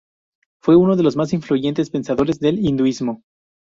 Fue uno de los más influyentes pensadores del hinduismo.